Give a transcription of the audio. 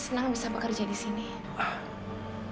senang bisa bekerja di sini ya baguslah bagus kalau seperti itu